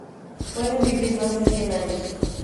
Pueden vivir más de cien años.